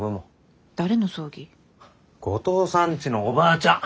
後藤さんちのおばあちゃん。